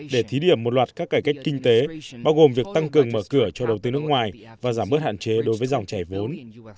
để thí điểm một loạt các cải cách kinh tế bao gồm việc tăng cường mở cửa cho đầu tư nước ngoài và giảm bớt hạn chế đối với dòng chảy vốn